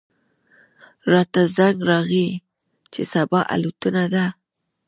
راته زنګ راغی چې صبا الوتنه ده.